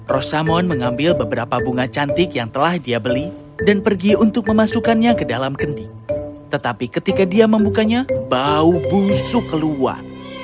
rosamon mengambil beberapa bunga cantik yang telah dia beli dan pergi untuk memasukkannya ke dalam kendi tetapi ketika dia membukanya bau busuk keluar